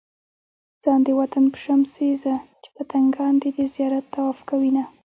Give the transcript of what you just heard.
ځان د وطن په شمع سيزه چې پتنګان دې د زيارت طواف کوينه